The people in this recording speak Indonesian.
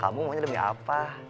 kamu maunya demi apa